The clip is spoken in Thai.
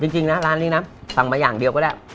จริงนะร้านนี้นะสั่งมาอย่างเดียวก็ได้